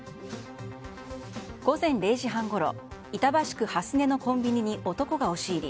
午前０時半ごろ、板橋区蓮根のコンビニに男が押し入り